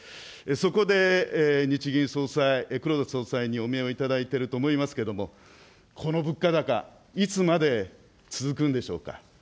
そこで日銀総裁、黒田総裁にお見えをいただいていると思いますけれども、この物価高、いつまで続くんでしょうか。